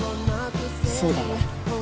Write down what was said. そうだね。